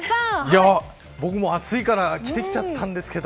僕も暑いから着てきちゃったんですけど。